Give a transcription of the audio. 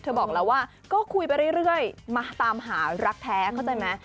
บอกแล้วว่าก็คุยไปเรื่อยมาตามหารักแท้เข้าใจไหม